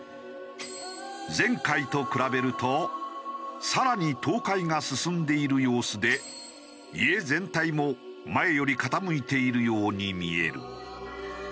前回と比べると更に倒壊が進んでいる様子で家全体も前より傾いているように見える。